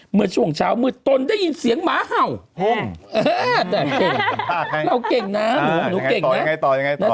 เมื่อช่วงเช้าเหมือนตนได้ยินเสียงม้าเห่าเราเก่งนะหนูเก่งแล้ว